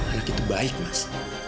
anak itu baik mas